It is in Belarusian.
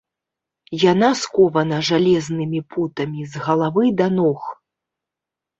Яна скована жалезнымі путамі з галавы да ног.